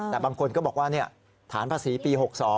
แต่บางคนก็บอกว่าฐานภาษีปี๖๒